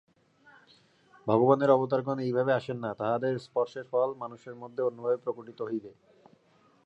ভগবানের অবতারগণ এইভাবে আসেন না, তাঁহাদের স্পর্শের ফল মানুষের মধ্যে অন্যভাবে প্রকটিত হইবে।